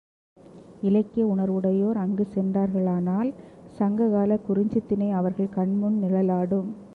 இலக்கிய உணர்வுடையோர் அங்குச் சென்றார்களானால், சங்க காலக் குறிஞ்சித்திணை அவர்கள் கண்முன் நிழலாடும்.